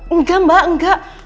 enggak mbak enggak